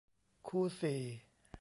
คู่สี่